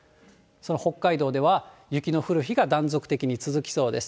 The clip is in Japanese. その北海道では雪の降る日が断続的に続きそうです。